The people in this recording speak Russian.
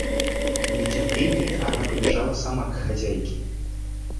В нетерпении она побежала сама к хозяйке.